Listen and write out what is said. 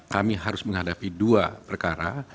kami harus menghadapi dua perkara